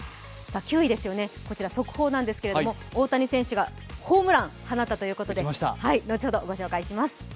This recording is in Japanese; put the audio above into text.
９位ですよね、こちら速報なんですけれども、大谷選手がホームランを放ったということで後ほど、ご紹介します。